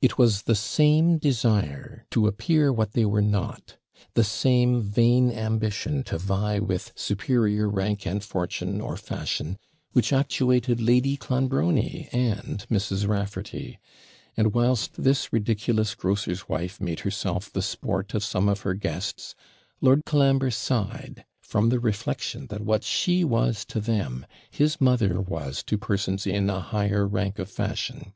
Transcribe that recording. It was the same desire to appear what they were not, the same vain ambition to vie with superior rank and fortune, or fashion, which actuated Lady Clonbrony and Mrs. Raffarty; and whilst this ridiculous grocer's wife made herself the sport of some of her guests, Lord Colambre sighed, from the reflection that what she was to them, his mother was to persons in a higher rank of fashion.